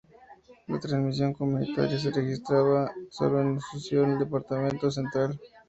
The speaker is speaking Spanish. La transmisión comunitaria se registraba sólo en Asunción y en el Departamento Central.